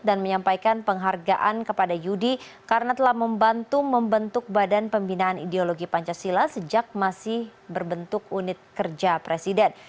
dan menyampaikan penghargaan kepada yudi karena telah membantu membentuk badan pembinaan ideologi pancasila sejak masih berbentuk unit kerja presiden